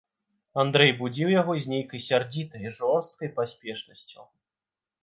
Андрэй будзіў яго з нейкай сярдзітай жорсткай паспешнасцю.